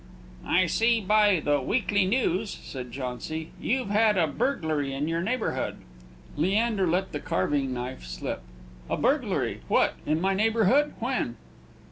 "I see by the Weekly News," said Jauncy, "you've had a burglary in your neighbourhood." Leander let the carving knife slip. "A burglary! What! in my neighbourhood? When?"